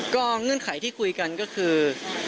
ก็เงื่อนไขที่คุยกันก็คือ